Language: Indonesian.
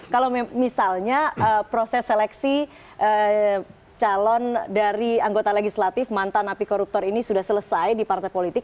kalau misalnya proses seleksi calon dari anggota legislatif mantan api koruptor ini sudah selesai di partai politik